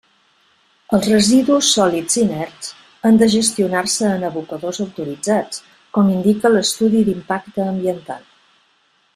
Els residus sòlids inerts han de gestionar-se en abocadors autoritzats, com indica l'estudi d'impacte ambiental.